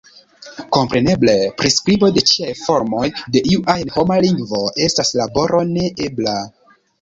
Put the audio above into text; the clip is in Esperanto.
Kompreneble, priskribo de ĉiaj formoj de iu ajn homa lingvo estas laboro neebla.